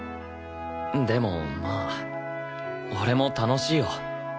でもまあ俺も楽しいよ。